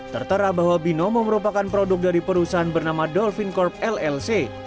tertera bahwa binomo merupakan produk dari perusahaan bernama dolvin corp llc